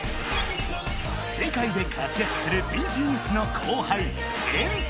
世界で活躍するＢＴＳの後輩「＆ＴＥＡＭ」